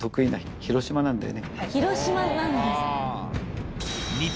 広島なんですね。